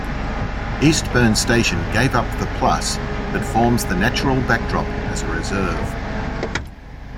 Eastburn Station gave up the plus that forms the natural backdrop as a reserve.